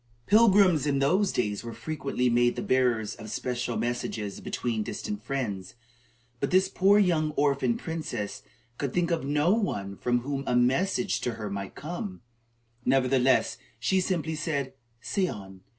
Pilgrims in those days were frequently made the bearers of special messages between distant friends; but this poor young orphan princess could think of no one from whom a message to her might come, Nevertheless, she simply said: "Say on."